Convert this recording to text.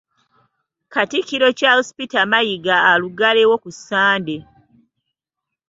Katikkiro Charles Peter Mayiga aluggalewo ku Ssande.